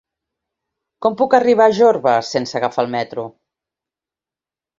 Com puc arribar a Jorba sense agafar el metro?